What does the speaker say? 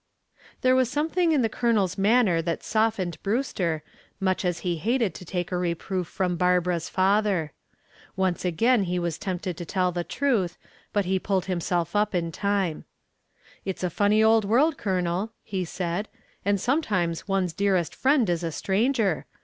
There was something in the Colonel's manner that softened Brewster, much as he hated to take a reproof from Barbara's father. Once again he was tempted to tell the truth, but he pulled himself up in time. "It's a funny old world, Colonel," he said; "and sometimes one's nearest friend is a stranger.